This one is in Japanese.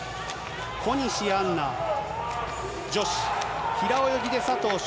小西杏奈、女子平泳ぎで佐藤翔